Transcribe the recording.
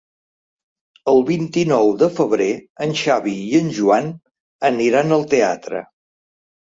El vint-i-nou de febrer en Xavi i en Joan aniran al teatre.